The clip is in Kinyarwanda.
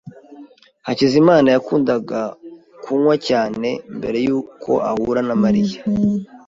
Hakizimana yakundaga kunywa cyane mbere yuko ahura na Mariya.